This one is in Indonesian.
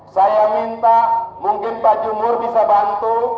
saya minta mungkin pak jumur bisa bantu